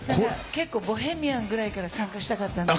結構、ボヘミアンぐらいから参加したかったんです。